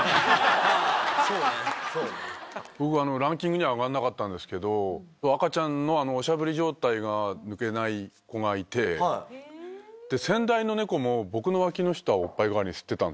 僕ランキングにはあがんなかったんですけど赤ちゃんのおしゃぶり状態が抜けない子がいてで先代の猫も僕の脇の下をおっぱい代わりに吸ってたんです。